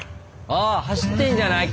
ああ走ってんじゃない？